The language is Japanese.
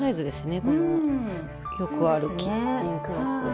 このよくあるキッチンクロスが。